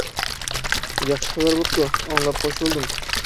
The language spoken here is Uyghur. ياخشى خەۋەر بوپتۇ، ئاڭلاپ خۇش بولدۇم.